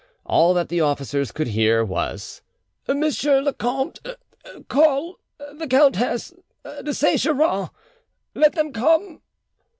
All that the officers could hear was— "Monsieur le Comte ... call ... the Countess ... de Saint Geran ... let them come.